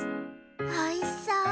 おいしそう。